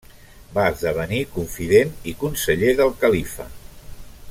Va esdevenir confident i conseller del califa.